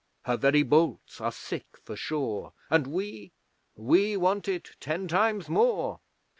Her very bolts are sick for shore, And we we want it ten times more!